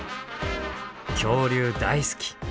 恐竜大好き。